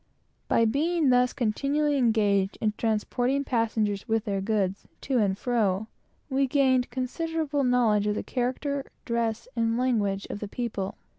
By being thus continually engaged in transporting passengers with their goods, to and fro, we gained considerable knowledge of the character, dress, and language of the people.